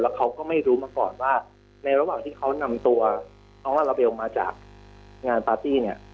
เขาก็ไม่รู้มาก่อนว่าในระหว่างที่เขานำตัวน้องลาลาเบลมาจากงานปาร์ตี้เนี่ย